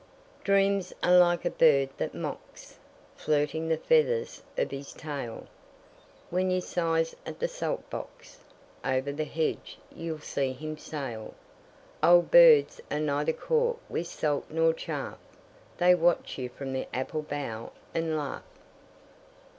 Dreams are like a bird that mocks, Flirting the feathers of his tail. When you sieze at the salt box, Over the hedge you'll see him sail. Old birds are neither caught with salt nor chaff: They watch you from the apple bough and laugh.